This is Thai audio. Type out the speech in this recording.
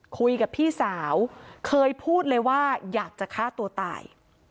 คุยกับพี่สาวเคยพูดเลยว่าอยากจะฆ่าตัวตาย